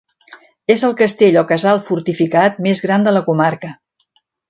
És el castell o casal fortificat més gran de la comarca.